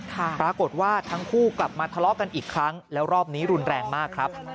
ปรากฏว่าทั้งคู่กลับมาทะเลาะกันอีกครั้งแล้วรอบนี้รุนแรงมากครับ